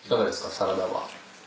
サラダは。